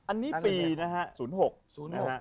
อันนี้ปีนะฮะ๐๖๐๖